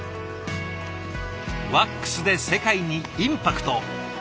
ワックスで世界にインパクトを。